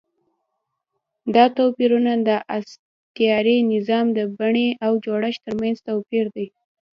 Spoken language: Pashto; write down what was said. دا توپیرونه د استثاري نظام د بڼې او جوړښت ترمنځ توپیر دی.